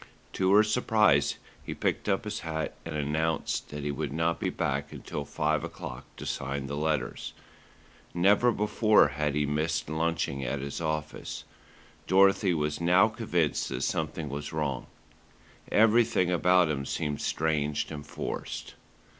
To her surprise he picked up his hat and announced that he would not be back until five o'clock to sign the letters. Never before had he missed lunching at his office. Dorothy was now convinced that something was wrong. Everything about him seemed strange and forced.